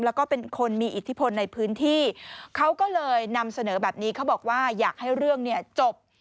แล้วก็เป็นคนมีอิทธิพลในพื้นที่เขาก็เลยนำเสนอแบบนี้เขาบอกว่าอยากให้เรื่องเนี่ยจบ